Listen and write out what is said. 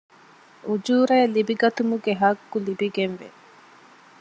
އުޖޫރައެއް ލިބިގަތުމުގެ ޙައްޤު ލިބިގެން ވޭ